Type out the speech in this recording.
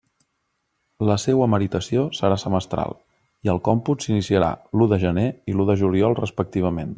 La seua meritació serà semestral, i el còmput s'iniciarà l'u de gener i l'u de juliol respectivament.